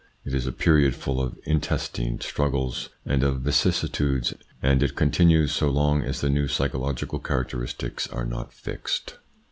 It is a period full of intestine struggles and of vicissitudes, and it continues so long as the new psychological characteristics are not fixed.